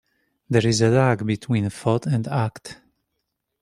There is a lag between thought and act.